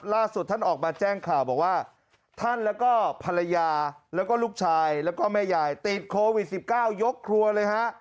ล่าสุดท่านออกมาแจ้งข่าวบอกว่าท่านแล้วก็ภรรยาแล้วก็ลูกชายแล้วก็แม่ยายติดโควิด๑๙ยกครัวเลยฮะ